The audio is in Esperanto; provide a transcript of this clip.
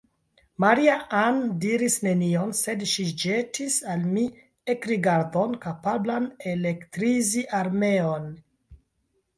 Maria-Ann diris nenion; sed ŝi ĵetis al mi ekrigardon, kapablan elektrizi armeon.